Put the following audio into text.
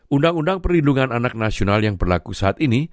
undang undang perlindungan anak nasional yang berlaku saat ini